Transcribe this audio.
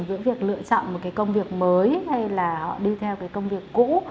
với việc lựa chọn một cái công việc mới hay là họ đi theo cái công việc cũ